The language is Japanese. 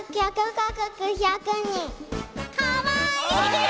かわいい！